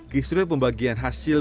kisruh pembagian hasil